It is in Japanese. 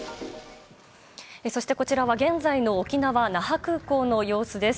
そして、こちらは現在の沖縄・那覇空港の様子です。